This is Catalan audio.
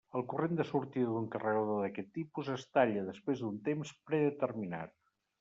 El corrent de sortida d'un carregador d'aquest tipus es talla després d'un temps predeterminat.